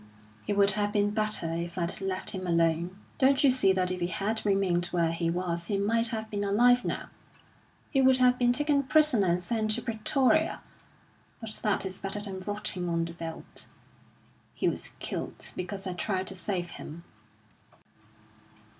"It would have been better if I'd left him alone. Don't you see that if he had remained where he was he might have been alive now. He would have been taken prisoner and sent to Pretoria, but that is better than rotting on the veldt. He was killed because I tried to save him."